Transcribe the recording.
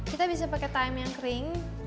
kita bisa pakai time yang kering